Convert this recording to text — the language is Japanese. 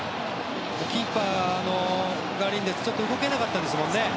キーパーのガリンデスは動けなかったですものね。